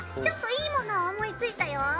ちょっといいものを思いついたよ。